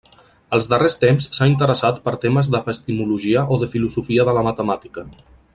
Als darrers temps s'ha interessat per temes d'epistemologia i de filosofia de la matemàtica.